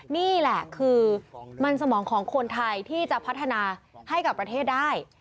นี่แหละคือมันสมองของคนไทยที่จะพัฒนาให้กับประเทศได้